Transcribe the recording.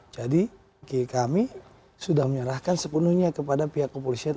jadi kami sudah menyerahkan sepenuhnya kepada pihak kepolisian